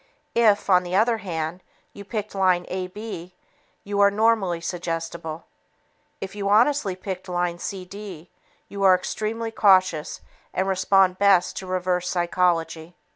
If, on the other hand, you picked line AB, you are normally suggestible. If you honestly picked line CD, you are extremely cautious and respond best to "reverse psychology."